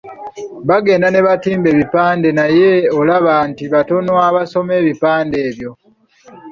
Bagenda ne batimba ebipande naye olaba nti batono abasoma ebipande ebyo,